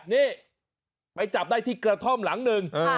นี่ไปจับได้ที่กระท่อมหลังหนึ่ง